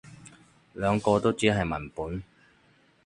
兩個都只係文本